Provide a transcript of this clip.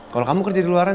kalau kamu kerja di luaran